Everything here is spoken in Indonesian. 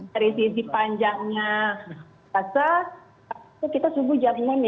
dari sisi panjangnya puasa kita subuh jam enam ya